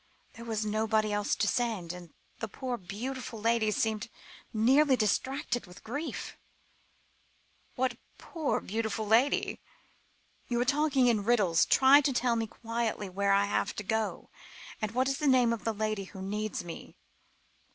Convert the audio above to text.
There was nobody else to send, and the poor, beautiful lady seemed nearly distracted with grief." "What poor, beautiful lady? You are talking in riddles. Try to tell me quietly where I have to go, and what is the name of the lady who needs me."